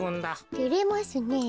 てれますねえ。